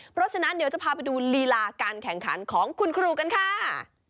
เพราะฉะนั้นเดี๋ยวจะพาไปดูลีลาการแข่งขันของคุณครูกันค่ะ